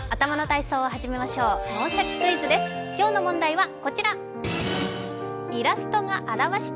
今日の問題はこちら。